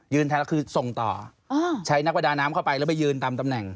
แทนแล้วคือส่งต่อใช้นักประดาน้ำเข้าไปแล้วไปยืนตามตำแหน่ง